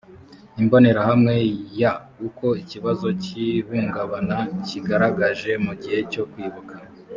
imbonerahamwe ya uko ikibazo cy ihungabana cyigaragaje mu gihe cyo kwibuka